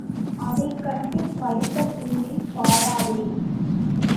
அதைக்கண்டு பயந்த பூனை, பாடாதே!